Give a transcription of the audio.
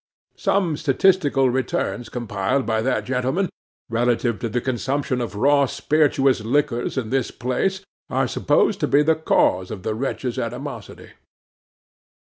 Some statistical returns compiled by that gentleman, relative to the consumption of raw spirituous liquors in this place, are supposed to be the cause of the wretch's animosity.